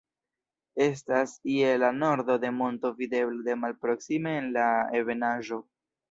Estas je la nordo de monto videbla de malproksime en la ebenaĵo.